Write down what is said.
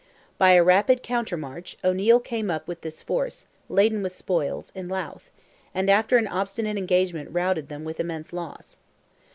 By a rapid countermarch, O'Neil came up with this force, laden with spoils, in Louth, and after an obstinate engagement routed them with immense loss.